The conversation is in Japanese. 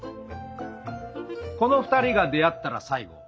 この２人が出会ったら最後！